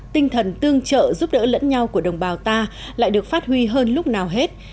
tinh thần tương trợ giúp đỡ lẫn nhau của đồng bào ta lại được phát huy hơn lúc nào hết